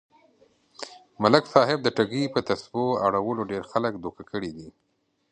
ملک صاحب د ټگۍ يه تسبو اړولو ډېر خلک دوکه کړي دي.